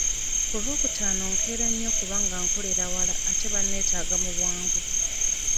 Ku lwokutaano nkeera nnyo kubanga nkolera wala ate banneetaaga mu bwangu.